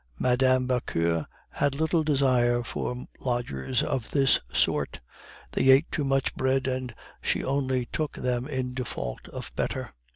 Mme. Vauquer had little desire for lodgers of this sort; they ate too much bread, and she only took them in default of better.